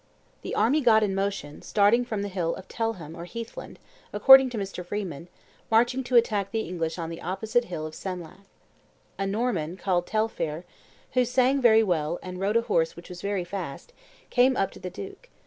The army got in motion, starting from the hill of Telham or Heathland, according to Mr. Freeman, marching to attack the English on the opposite hill of Senlac. A Norman, called Taillefer, "who sang very well, and rode a horse which was very fast, came up to the duke.